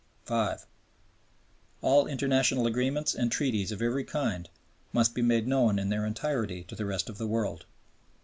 (5) "All international agreements and treaties of every kind must be made known in their entirety to the rest of the world."